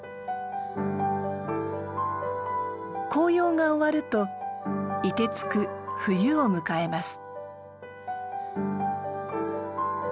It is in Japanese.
紅葉が終わると凍てつく冬を迎えます。